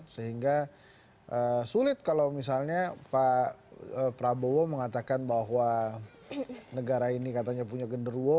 sehingga sulit kalau misalnya pak prabowo mengatakan bahwa negara ini katanya punya genderuo